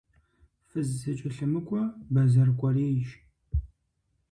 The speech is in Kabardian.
Фыз зэкӀэлъымыкӀуэ бэзэр кӀуэрейщ.